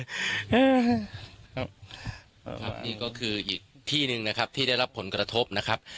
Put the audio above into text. ครับครับนี่ก็คืออีกที่หนึ่งนะครับที่ได้รับผลกระทบนะครับ